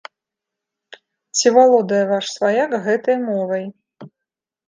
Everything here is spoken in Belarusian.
Ці валодае ваш сваяк гэтай мовай?